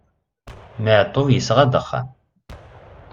Maɛṭub yesɣa-d axxam.